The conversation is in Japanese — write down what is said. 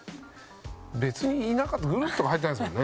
別にいなかったグループとか入ってないですもんね